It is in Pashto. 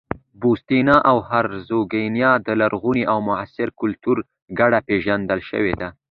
بوسنیا او هرزګوینا د لرغوني او معاصر کلتور ګډه پېژندل شوې ده.